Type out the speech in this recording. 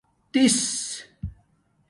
تِیس